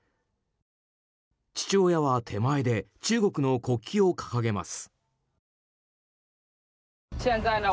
父親は手前で中国の国旗を掲げます。